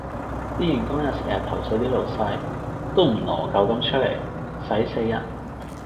啲員工又成日投訴啲老細：都唔挪舊金出嚟，駛死人